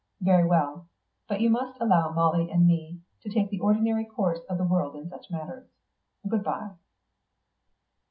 Very well; but you must allow Molly and me to take the ordinary course of the world in such matters. Goodbye."